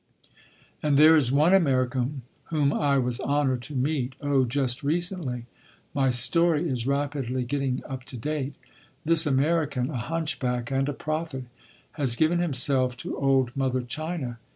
And there is one American whom I was honoured to meet—oh—just recently. My story is rapidly getting up to date. This American, a hunchback and a prophet, has given himself to old mother China.